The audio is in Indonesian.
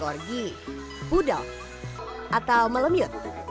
corgi pudong atau malamut